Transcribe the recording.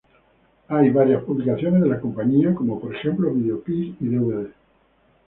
Hay varias publicaciones de la compañía como por ejemplo videoclips y dvds.